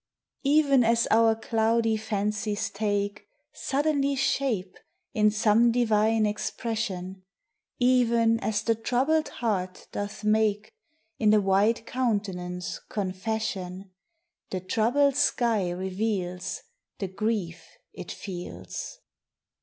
Even as our cloudy fancies take Suddenly shape in some divine expression, Even as the troubled heart doth make In the white countenance confession, The troubled sky reveals The grief it feels.